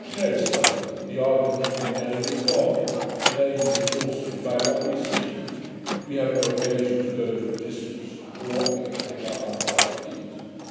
'Nay, sir, the argument from the name is gone. The name is exhausted by what we see. We have no occasion to go to a distance for what we can pick up under our feet.